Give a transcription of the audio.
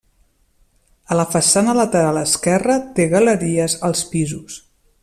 A la façana lateral esquerra, té galeries als pisos.